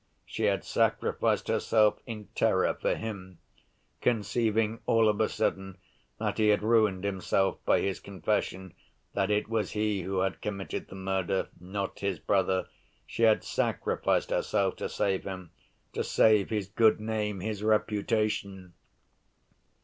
She had sacrificed herself in terror for him, conceiving all of a sudden that he had ruined himself by his confession that it was he who had committed the murder, not his brother, she had sacrificed herself to save him, to save his good name, his reputation!